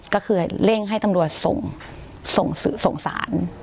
ก็คือเร่งให้ตำรวจส่งสาร